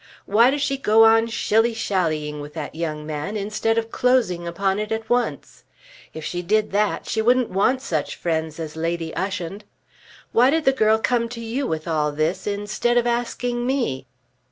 Why does she go on shilly shallying with that young man, instead of closing upon it at once? If she did that she wouldn't want such friends as Lady Ushant. Why did the girl come to you with all this instead of asking me?"